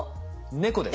猫です。